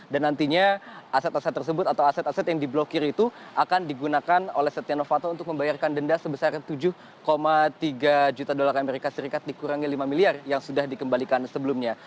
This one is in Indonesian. dan nantinya aset aset tersebut atau aset aset yang diblokir itu akan digunakan oleh setia novanto untuk membayarkan denda sebesar tujuh tiga juta dolar amerika serikat dikurangi lima miliar yang sudah dikembalikan sebelumnya